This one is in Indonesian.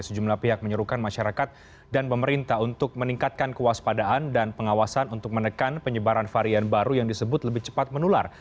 sejumlah pihak menyuruhkan masyarakat dan pemerintah untuk meningkatkan kewaspadaan dan pengawasan untuk menekan penyebaran varian baru yang disebut lebih cepat menular